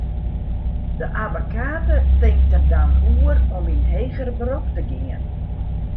De abbekate tinkt der dan oer om yn heger berop te gean.